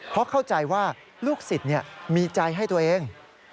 เพราะเข้าใจว่าลูกศิษย์มีใจให้ตัวเอง